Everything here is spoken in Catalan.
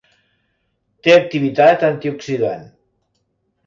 Té activitat antioxidant.